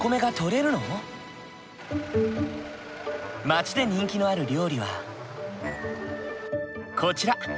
町で人気のある料理はこちら。